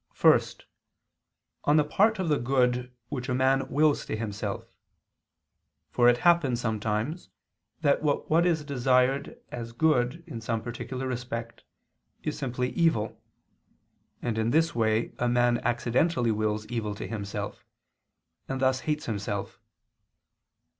First, on the part of the good which a man wills to himself. For it happens sometimes that what is desired as good in some particular respect, is simply evil; and in this way, a man accidentally wills evil to himself; and thus hates himself.